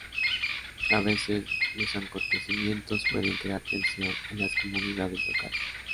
A veces, los acontecimientos pueden crear tensión en las comunidades locales.